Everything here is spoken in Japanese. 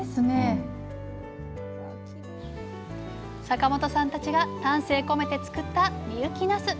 坂本さんたちが丹精込めて作った深雪なす。